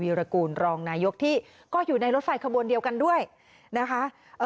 รกูลรองนายกที่ก็อยู่ในรถไฟขบวนเดียวกันด้วยนะคะเอ่อ